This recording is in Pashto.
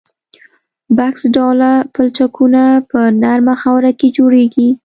بکس ډوله پلچکونه په نرمه خاوره کې جوړیږي